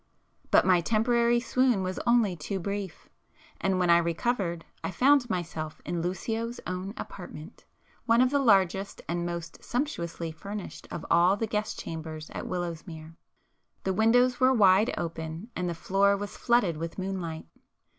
But my temporary swoon was only too brief,—and when I recovered I found myself in Lucio's own apartment, one of the largest and most sumptuously furnished of all the guest chambers at Willowsmere,—the windows were wide open, and the floor was flooded with moonlight.